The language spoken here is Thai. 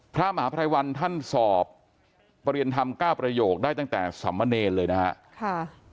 พระมหาพรายวรรณท่านสอบประเรียนทำ๙ประโยคได้ตั้งแต่สมเนตเลยนะฮะ